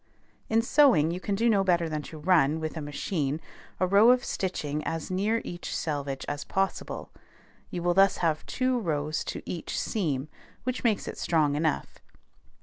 In sewing you can do no better than to run, with a machine, a row of stitching as near each selvage as possible; you will thus have two rows to each seam, which makes it strong enough.